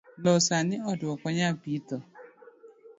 Loo sani otuo ok wanyal pitho